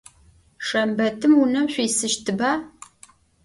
Şşembetım vunem vuisıştıba?